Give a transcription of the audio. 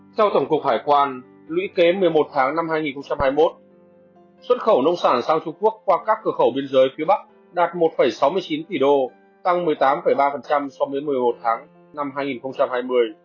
theo tổng cục hải quan lũy kế một mươi một tháng năm hai nghìn hai mươi một xuất khẩu nông sản sang trung quốc qua các cửa khẩu biên giới phía bắc đạt một sáu mươi chín tỷ đô tăng một mươi tám ba so với một mươi một tháng năm hai nghìn hai mươi